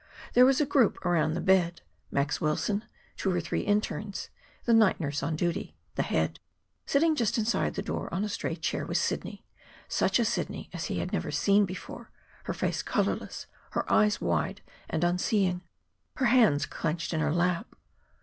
There was a group around the bed Max Wilson, two or three internes, the night nurse on duty, and the Head. Sitting just inside the door on a straight chair was Sidney such a Sidney as he never had seen before, her face colorless, her eyes wide and unseeing, her hands clenched in her lap.